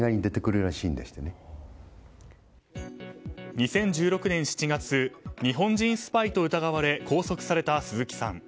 ２０１６年７月日本人スパイと疑われ拘束された鈴木さん。